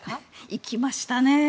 行きましたね。